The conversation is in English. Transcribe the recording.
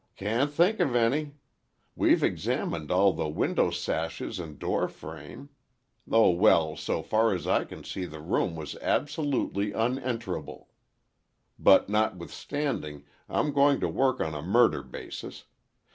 "Can't think of any. We've examined all the window sashes and door frame—oh, well, so far as I can see the room was absolutely unenterable. But, notwithstanding, I'm going to work on a murder basis.